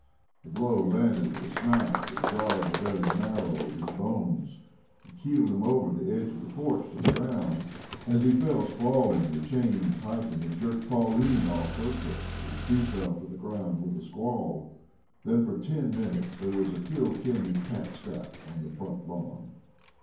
The blow landed with a smack that jarred the very marrow of his bones and keeled him over the edge of the porch to the ground. As he fell sprawling, the chain tightened and jerked Pearline off her perch and she fell to the ground with a squall. Then for ten minutes there was a Kilkenny cat scrap on the front lawn.